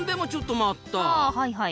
あはいはい。